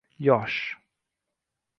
Yosh